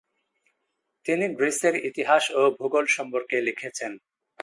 তিনি গ্রিসের ইতিহাস ও ভূগোল সম্পর্কে লিখেছেন।